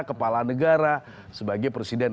kepala negara sebagai presiden